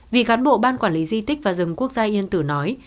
vì cán bộ ban quản lý di tích và rừng quốc gia yên tử nói